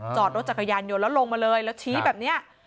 จอดรถจักรยานยนต์แล้วลงมาเลยแล้วชี้แบบนี้